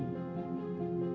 dulu saya sama ibu